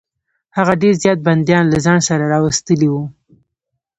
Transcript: هغه ډېر زیات بندیان له ځان سره راوستلي وه.